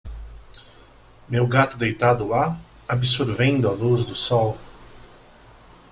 Meu gato deitado lá? absorvendo a luz do sol.